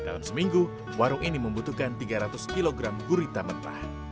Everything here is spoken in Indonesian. dalam seminggu warung ini membutuhkan tiga ratus kg gurita mentah